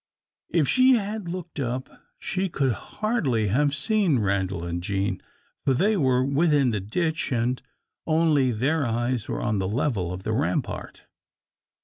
If she had looked up, she could hardly have seen Randal and Jean, for they were within the ditch, and only their eyes were on the level of the rampart.